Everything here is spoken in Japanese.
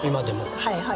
はいはい。